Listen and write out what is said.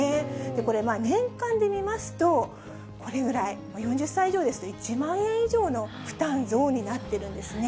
これ、年間で見ますと、これぐらい、４０歳以上ですと、１万円以上の負担増になっているんですね。